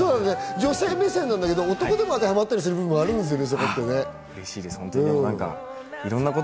女性目線なんだけど、男にも当てはまったりする部分もあるんですよね。